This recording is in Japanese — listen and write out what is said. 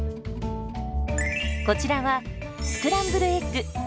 こちらはスクランブルエッグ。